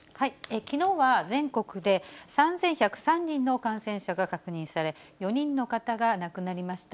きのうは全国で３１０３人の感染者が確認され、４人の方が亡くなりました。